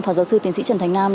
phó giáo sư tiến sĩ trần thành nam